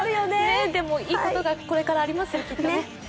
でもいいことがこれからきっとありますよ。